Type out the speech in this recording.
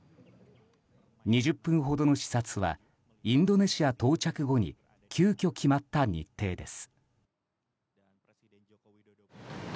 ２０分ほどの視察はインドネシア到着後に急きょ決まった日程です。